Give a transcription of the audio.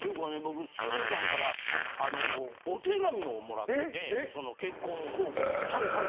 しずちゃんからお手紙をもらっていて結婚報告を。